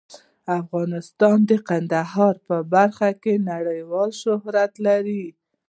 افغانستان د کندهار په برخه کې نړیوال شهرت لري.